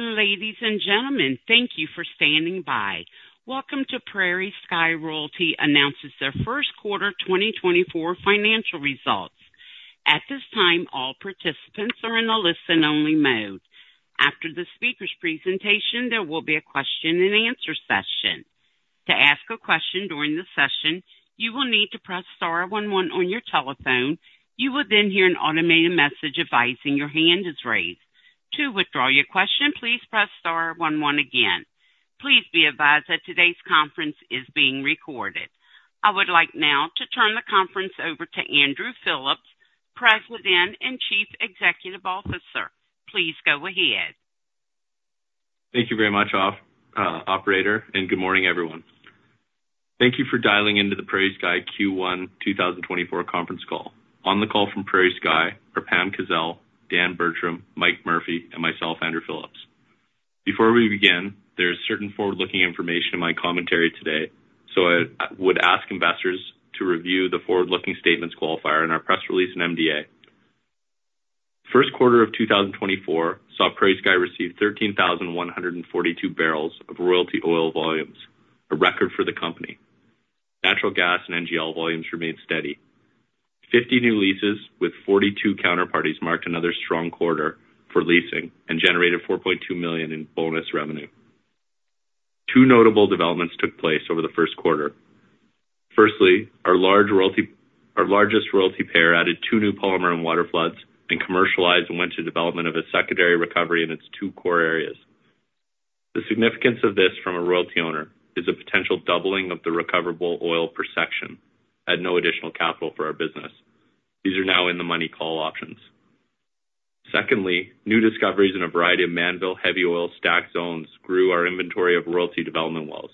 Ladies and gentlemen, thank you for standing by. Welcome to PrairieSky Royalty announces their first quarter 2024 financial results. At this time, all participants are in a listen-only mode. After the speaker's presentation, there will be a question-and-answer session. To ask a question during the session, you will need to press star 11 on your telephone. You will then hear an automated message advising your hand is raised. To withdraw your question, please press star 11 again. Please be advised that today's conference is being recorded. I would like now to turn the conference over to Andrew Phillips, President and Chief Executive Officer. Please go ahead. Thank you very much, Operator, and good morning, everyone. Thank you for dialing into the PrairieSky Q1 2024 conference call. On the call from PrairieSky are Pam Kazeil, Dan Bertram, Mike Murphy, and myself, Andrew Phillips. Before we begin, there is certain forward-looking information in my commentary today, so I would ask investors to review the forward-looking statements qualifier in our press release and MDA. First quarter of 2024 saw PrairieSky receive 13,142 barrels of royalty oil volumes, a record for the company. Natural gas and NGL volumes remained steady. 50 new leases with 42 counterparties marked another strong quarter for leasing and generated 4.2 million in bonus revenue. Two notable developments took place over the first quarter. Firstly, our largest royalty pair added two new polymer and water floods and commercialized and went to development of a secondary recovery in its two core areas. The significance of this from a royalty owner is a potential doubling of the recoverable oil per section at no additional capital for our business. These are now in the money call options. Secondly, new discoveries in a variety of Mannville heavy oil stacked zones grew our inventory of royalty development wells.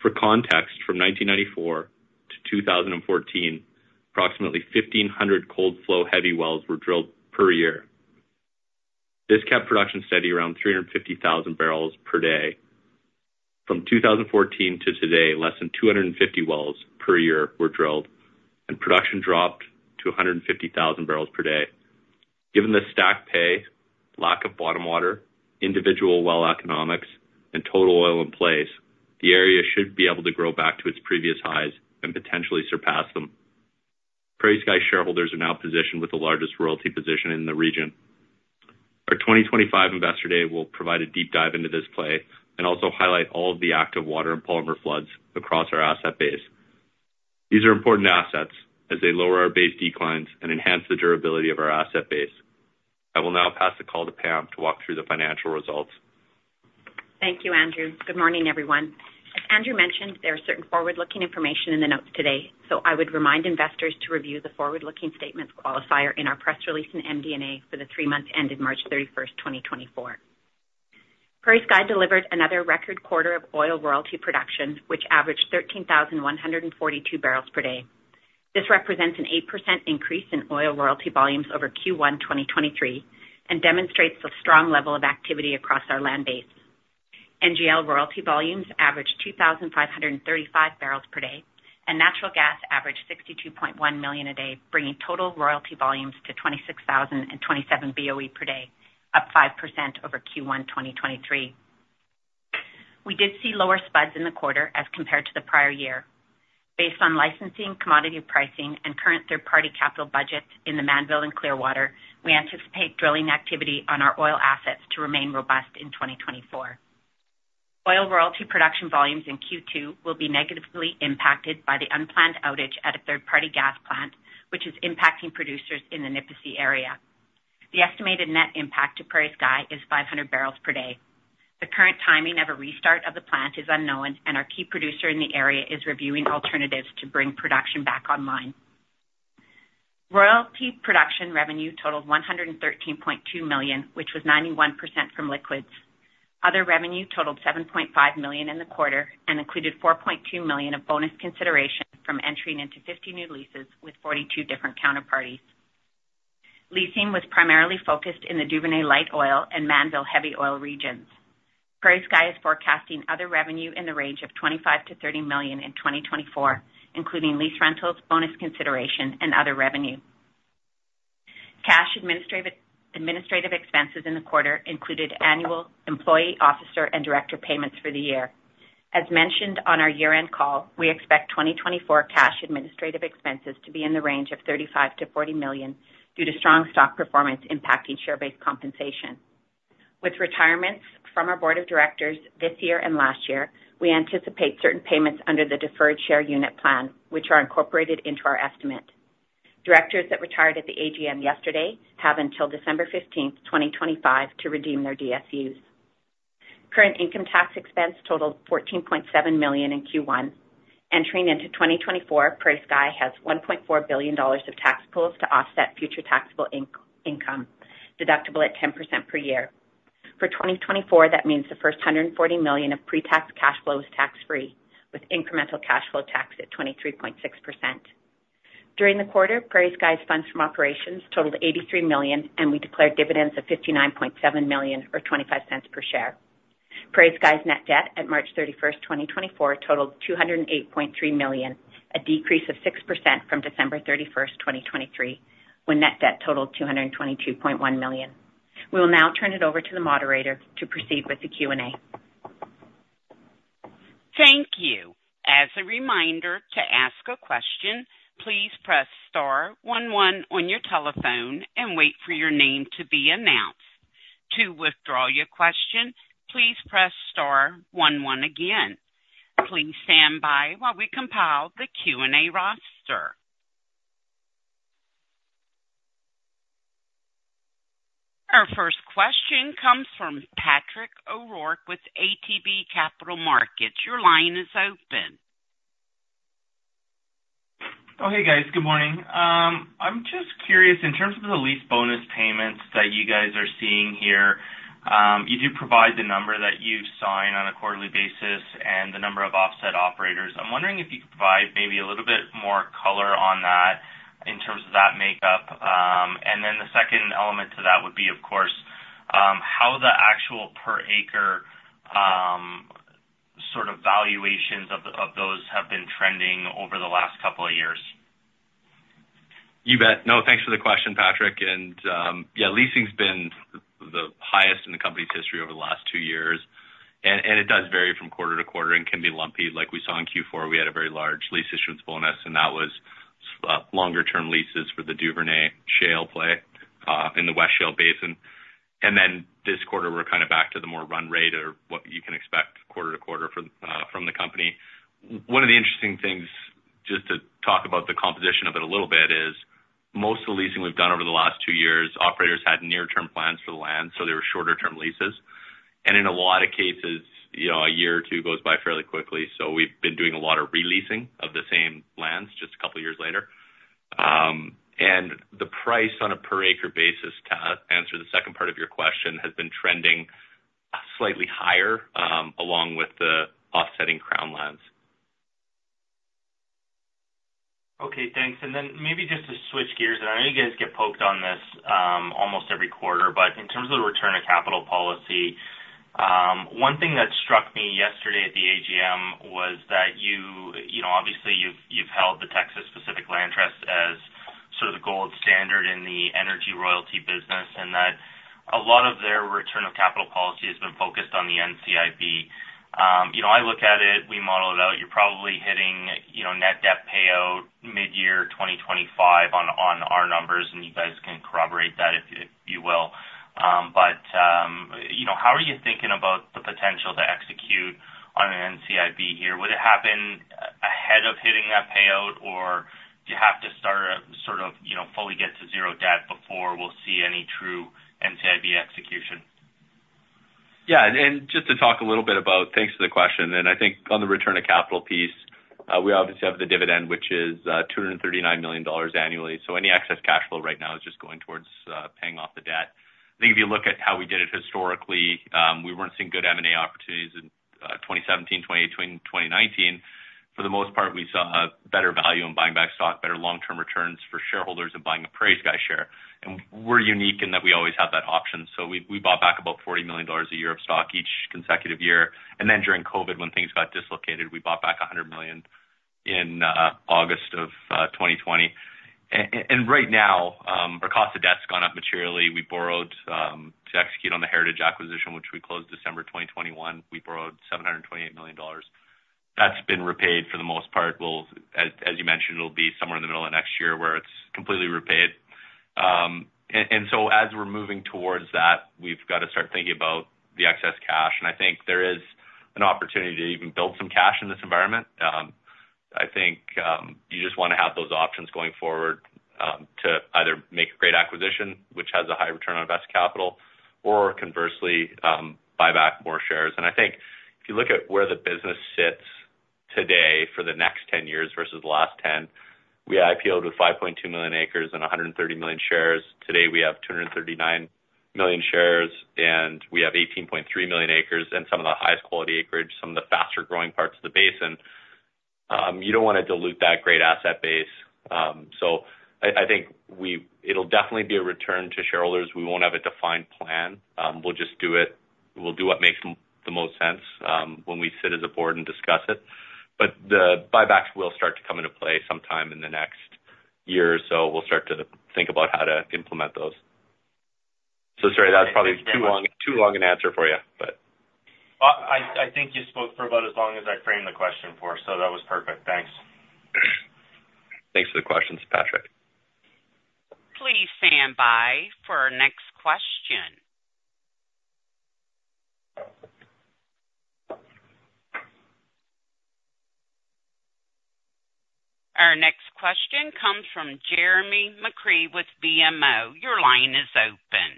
For context, from 1994 to 2014, approximately 1,500 cold flow heavy wells were drilled per year. This kept production steady around 350,000 barrels per day. From 2014 to today, less than 250 wells per year were drilled, and production dropped to 150,000 barrels per day. Given the stacked pay, lack of bottom water, individual well economics, and total oil in place, the area should be able to grow back to its previous highs and potentially surpass them. PrairieSky shareholders are now positioned with the largest royalty position in the region. Our 2025 Investor Day will provide a deep dive into this play and also highlight all of the active water and polymer floods across our asset base. These are important assets as they lower our base declines and enhance the durability of our asset base. I will now pass the call to Pam to walk through the financial results. Thank you, Andrew. Good morning, everyone. As Andrew mentioned, there is certain forward-looking information in the notes today, so I would remind investors to review the forward-looking statements qualifier in our press release and MD&A for the three months ended March 31st, 2024. PrairieSky delivered another record quarter of oil royalty production, which averaged 13,142 barrels per day. This represents an 8% increase in oil royalty volumes over Q1 2023 and demonstrates a strong level of activity across our land base. NGL royalty volumes averaged 2,535 barrels per day, and natural gas averaged 62.1 million a day, bringing total royalty volumes to 26,027 BOE per day, up 5% over Q1 2023. We did see lower SPUDs in the quarter as compared to the prior year. Based on licensing, commodity pricing, and current third-party capital budgets in the Mannville and Clearwater, we anticipate drilling activity on our oil assets to remain robust in 2024. Oil royalty production volumes in Q2 will be negatively impacted by the unplanned outage at a third-party gas plant, which is impacting producers in the Nipisi area. The estimated net impact to PrairieSky is 500 barrels per day. The current timing of a restart of the plant is unknown, and our key producer in the area is reviewing alternatives to bring production back online. Royalty production revenue totaled 113.2 million, which was 91% from liquids. Other revenue totaled 7.5 million in the quarter and included 4.2 million of bonus consideration from entering into 50 new leases with 42 different counterparties. Leasing was primarily focused in the Duvernay light oil and Mannville heavy oil regions. PrairieSky is forecasting other revenue in the range of 25 million-30 million in 2024, including lease rentals, bonus consideration, and other revenue. Cash administrative expenses in the quarter included annual employee, officer, and director payments for the year. As mentioned on our year-end call, we expect 2024 cash administrative expenses to be in the range of 35 million-40 million due to strong stock performance impacting share-based compensation. With retirements from our board of directors this year and last year, we anticipate certain payments under the deferred share unit plan, which are incorporated into our estimate. Directors that retired at the AGM yesterday have until December 15th, 2025, to redeem their DSUs. Current income tax expense totaled CAD 14.7 million in Q1. Entering into 2024, PrairieSky has CAD 1.4 billion of tax pools to offset future taxable income, deductible at 10% per year. For 2024, that means the first 140 million of pre-tax cash flow is tax-free, with incremental cash flow tax at 23.6%. During the quarter, PrairieSky's funds from operations totaled 83 million, and we declared dividends of 59.7 million or 0.25 per share. PrairieSky's net debt at March 31st, 2024, totaled 208.3 million, a decrease of 6% from December 31st, 2023, when net debt totaled 222.1 million. We will now turn it over to the moderator to proceed with the Q&A. Thank you. As a reminder, to ask a question, please press star 11 on your telephone and wait for your name to be announced. To withdraw your question, please press star 11 again. Please stand by while we compile the Q&A roster. Our first question comes from Patrick O'Rourke with ATB Capital Markets. Your line is open. Oh, hey, guys. Good morning. I'm just curious, in terms of the lease bonus payments that you guys are seeing here, you do provide the number that you sign on a quarterly basis and the number of offset operators. I'm wondering if you could provide maybe a little bit more color on that in terms of that makeup. And then the second element to that would be, of course, how the actual per-acre sort of valuations of those have been trending over the last couple of years. You bet. No, thanks for the question, Patrick. And yeah, leasing's been the highest in the company's history over the last two years, and it does vary from quarter to quarter and can be lumpy. Like we saw in Q4, we had a very large lease issuance bonus, and that was longer-term leases for the Duvernay shale play in the West Shale Basin. And then this quarter, we're kind of back to the more run rate or what you can expect quarter to quarter from the company. One of the interesting things, just to talk about the composition of it a little bit, is most of the leasing we've done over the last two years, operators had near-term plans for the land, so they were shorter-term leases. In a lot of cases, a year or two goes by fairly quickly, so we've been doing a lot of releasing of the same lands just a couple of years later. The price on a per-acre basis to answer the second part of your question has been trending slightly higher along with the offsetting crown lands. Okay, thanks. And then maybe just to switch gears, and I know you guys get poked on this almost every quarter, but in terms of the return to capital policy, one thing that struck me yesterday at the AGM was that obviously, you've held the Texas Pacific Land Trust as sort of the gold standard in the energy royalty business and that a lot of their return to capital policy has been focused on the NCIB. I look at it, we model it out, you're probably hitting Net Debt payout mid-year 2025 on our numbers, and you guys can corroborate that if you will. But how are you thinking about the potential to execute on an NCIB here? Would it happen ahead of hitting that payout, or do you have to start sort of fully get to zero debt before we'll see any true NCIB execution? Yeah. And just to talk a little bit about thanks for the question. And I think on the return to capital piece, we obviously have the dividend, which is 239 million dollars annually. So any excess cash flow right now is just going towards paying off the debt. I think if you look at how we did it historically, we weren't seeing good M&A opportunities in 2017, 2018, 2019. For the most part, we saw better value in buying back stock, better long-term returns for shareholders in buying a PrairieSky share. And we're unique in that we always have that option. So we bought back about 40 million dollars a year of stock each consecutive year. And then during COVID, when things got dislocated, we bought back 100 million in August of 2020. And right now, our cost of debt's gone up materially. We borrowed to execute on the heritage acquisition, which we closed December 2021. We borrowed 728 million dollars. That's been repaid for the most part. As you mentioned, it'll be somewhere in the middle of next year where it's completely repaid. And so as we're moving towards that, we've got to start thinking about the excess cash. And I think there is an opportunity to even build some cash in this environment. I think you just want to have those options going forward to either make a great acquisition, which has a high return on invested capital, or conversely, buy back more shares. And I think if you look at where the business sits today for the next 10 years versus the last 10, we IPO'd with 5.2 million acres and 130 million shares. Today, we have 239 million shares, and we have 18.3 million acres and some of the highest quality acreage, some of the faster-growing parts of the basin. You don't want to dilute that great asset base. So I think it'll definitely be a return to shareholders. We won't have a defined plan. We'll just do it. We'll do what makes the most sense when we sit as a board and discuss it. But the buybacks will start to come into play sometime in the next year or so. We'll start to think about how to implement those. So sorry, that was probably too long an answer for you, but. I think you spoke for about as long as I framed the question for, so that was perfect. Thanks. Thanks for the questions, Patrick. Please stand by for our next question. Our next question comes from Jeremy McCrea with BMO. Your line is open.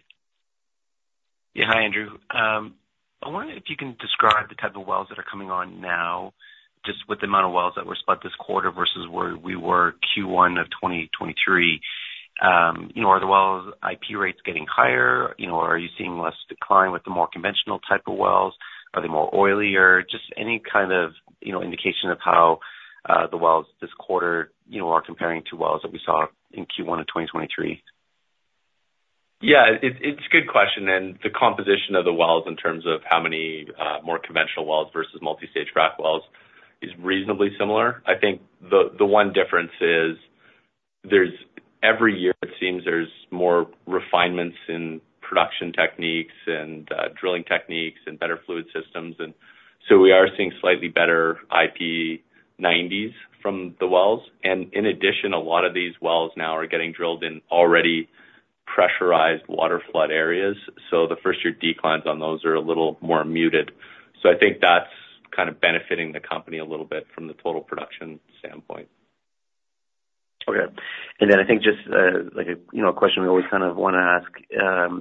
Yeah, hi, Andrew. I wonder if you can describe the type of wells that are coming on now, just with the amount of wells that were spud this quarter versus where we were Q1 of 2023. Are the wells' IP rates getting higher, or are you seeing less decline with the more conventional type of wells? Are they more oilier? Just any kind of indication of how the wells this quarter are comparing to wells that we saw in Q1 of 2023. Yeah, it's a good question. And the composition of the wells in terms of how many more conventional wells versus multi-stage frac wells is reasonably similar. I think the one difference is every year, it seems there's more refinements in production techniques and drilling techniques and better fluid systems. And so we are seeing slightly better IP90s from the wells. And in addition, a lot of these wells now are getting drilled in already pressurized water flood areas. So the first-year declines on those are a little more muted. So I think that's kind of benefiting the company a little bit from the total production standpoint. Okay. And then I think just a question we always kind of want to ask,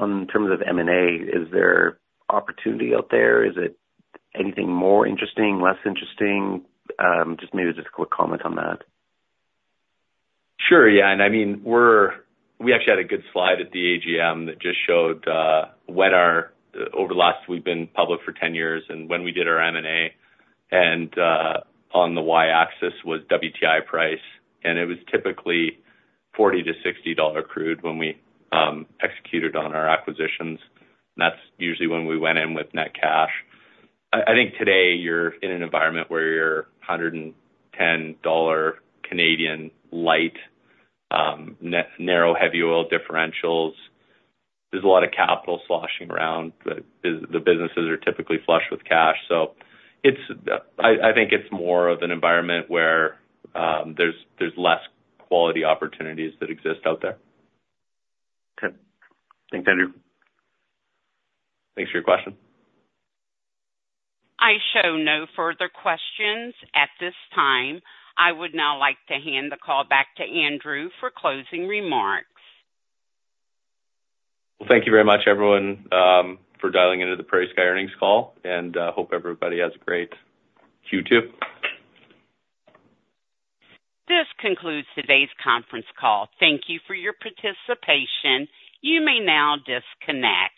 in terms of M&A, is there opportunity out there? Is it anything more interesting, less interesting? Just maybe a quick comment on that. Sure. Yeah. And I mean, we actually had a good slide at the AGM that just showed over the last we've been public for 10 years and when we did our M&A. On the Y-axis was WTI price. It was typically $40-$60 crude when we executed on our acquisitions. That's usually when we went in with net cash. I think today, you're in an environment where you're 110 Canadian dollars light, narrow heavy oil differentials. There's a lot of capital sloshing around, but the businesses are typically flush with cash. So I think it's more of an environment where there's less quality opportunities that exist out there. Okay. Thanks, Andrew. Thanks for your question. I show no further questions at this time. I would now like to hand the call back to Andrew for closing remarks. Well, thank you very much, everyone, for dialing into the PrairieSky Earnings call. I hope everybody has a great Q2. This concludes today's conference call. Thank you for your participation. You may now disconnect.